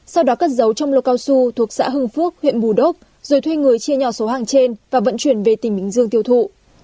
sau đó cất giấu trong lô cao su thuộc xã hưng phước huyện bù đốc rồi thuê người chia nhau số hàng trên và vận chuyển về tỉnh bình dương tiêu thụ